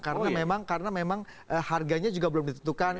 karena memang karena memang harganya juga belum ditentukan